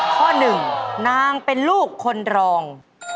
ข้อหนึ่งนางเป็นลูกคนรอง